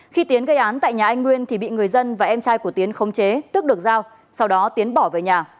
khi tiến gây án tại nhà anh nguyên thì bị người dân và em trai của tiến khống chế tức được giao sau đó tiến bỏ về nhà